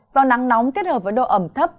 do nắng nóng kết hợp với độ ẩm thấp